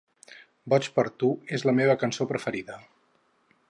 "Boig per tu" és la meva cançó preferida.